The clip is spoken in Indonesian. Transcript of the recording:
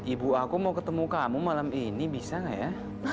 ibu aku mau ketemu kamu malam ini bisa nggak ya